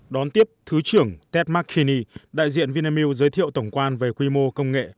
đón tiếp thứ trưởng ted mckinney đại diện vinamil giới thiệu tổng quan về quy mô công nghệ